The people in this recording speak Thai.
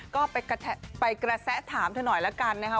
ก็ไปกระแสถามเธอหน่อยแล้วกันนะคะ